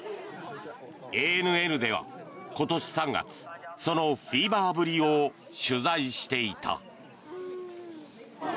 ＡＮＮでは今年３月そのフィーバーぶりを取材していた。